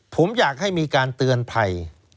ผมอยากให้มีการเตือนภัย